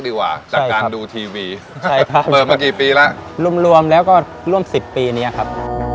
ดีกว่าจากการดูทีวีใช่ครับเปิดมากี่ปีแล้วรวมรวมแล้วก็ร่วมสิบปีเนี้ยครับ